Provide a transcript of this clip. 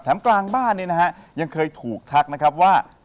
กลางบ้านเนี่ยนะฮะยังเคยถูกทักนะครับว่า